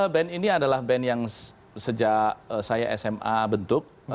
band ini adalah band yang sejak saya sma bentuk